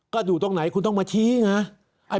ก็อยู่ตรงไหนคุณต้องมาชี้ไง